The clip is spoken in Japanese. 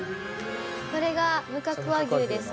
これが無角和牛ですか。